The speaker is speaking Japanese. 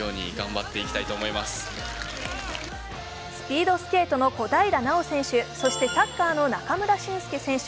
スピードスケートの小平奈緒選手そしてサッカーの中村俊輔選手